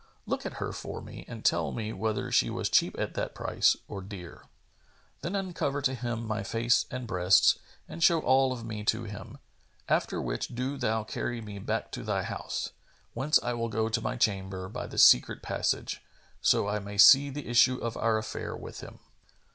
Look at her for me and tell me whether she was cheap at that price or dear.' Then uncover to him my face and breasts and show all of me to him; after which do thou carry me back to thy house, whence I will go to my chamber by the secret passage, so I may see the issue of our affair with him."